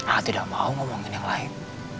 ah tidak mau ngomongin yang lain